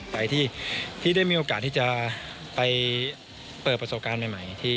ที่ได้มีโอกาสที่จะไปเปิดประสบการณ์ใหม่